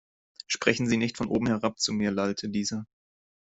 Sprechen Sie nicht von oben herab zu mir, lallte dieser.